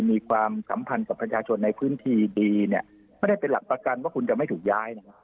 มีความสัมพันธ์กับประชาชนในพื้นที่ดีเนี่ยไม่ได้เป็นหลักประกันว่าคุณจะไม่ถูกย้ายนะครับ